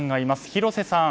広瀬さん